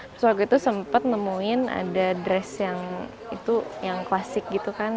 terus waktu itu sempat nemuin ada dress yang itu yang klasik gitu kan